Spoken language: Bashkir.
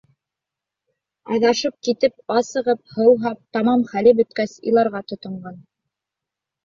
Аҙашып китеп, асығып, һыуһап, тамам хәле бөткәс, иларға тотонған.